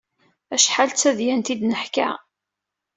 Acḥal d tadyant i d-neḥka.